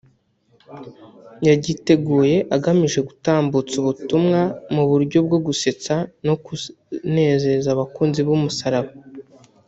yagiteguye igamije gutambutsa ubutumwa mu buryo bwo gusetsa no kunezeza abakunzi b’umusaraba